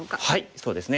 そうですね。